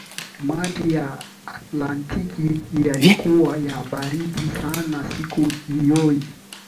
maji ya atlantiki yalikuwa ya baridi sana siku hiyoi